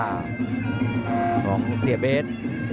ของเสียเบส